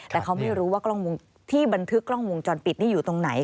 แต่เขาไม่รู้ว่ากล้องวงที่บันทึกกล้องวงจรปิดนี่อยู่ตรงไหน